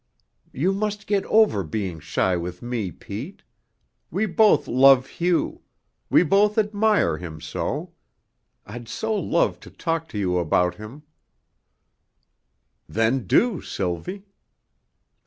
"You must get over being shy with me, Pete. We both love Hugh; we both admire him so. I'd so love to talk to you about him " "Then do, Sylvie."